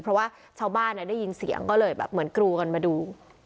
เพราะว่าชาวบ้านได้ยินเสียงก็เลยแบบเหมือนกรูกันมาดู